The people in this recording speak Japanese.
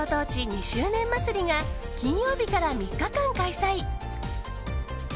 ２周年まつりが金曜日から３日間開催。